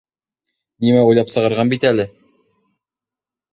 Нимә уйлап сығарған бит әле!